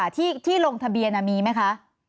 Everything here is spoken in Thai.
ที่ลงทะเบียนมีไหมคะ